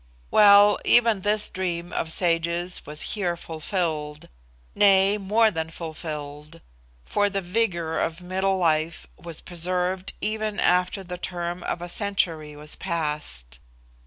Well, even this dream of sages was here fulfilled nay, more than fulfilled; for the vigour of middle life was preserved even after the term of a century was passed.